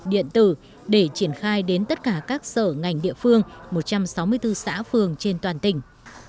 điện tử để triển khai đến tất cả các sở ngành địa phương một trăm sáu mươi bốn xã phường trên toàn tỉnh